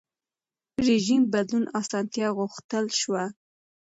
رژیم بدلون اسانتیا غوښتل شوه.